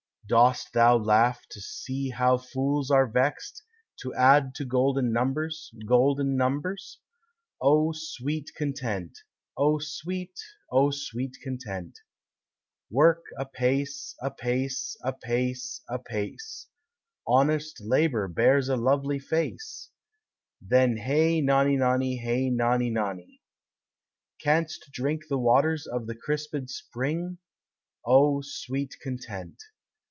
Dost thou laugh to see how fools are vexed To add to golden numbers, golden numbers? O sweet content! O sweet, O sweet content! Work apace, apace, apace, apace; Honest labor bears a lovely face; Then hey nonny nonny, hey nonny nonny! Canst drink the waters of the crispéd spring? O sweet content!